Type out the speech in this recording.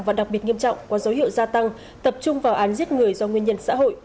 và đặc biệt nghiêm trọng có dấu hiệu gia tăng tập trung vào án giết người do nguyên nhân xã hội